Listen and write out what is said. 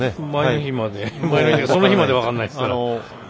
その日まで分からないですよ。